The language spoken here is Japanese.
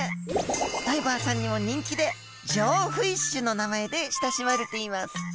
ダイバーさんにも人気で「ジョーフィッシュ」の名前で親しまれています。